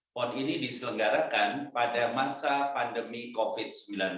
pon ini diselenggarakan pada masa pandemi covid sembilan belas